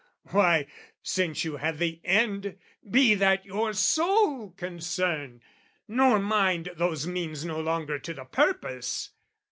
Why, since you have the end, Be that your sole concern, nor mind those means No longer to the purpose!